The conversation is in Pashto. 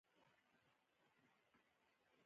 او هم یې مال له غلو نه په امن کې وي.